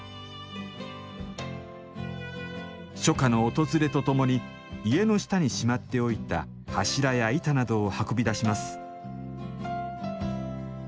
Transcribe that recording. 初夏の訪れとともに家の下にしまっておいた柱や板などを運び出します